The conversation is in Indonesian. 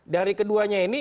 dari keduanya ini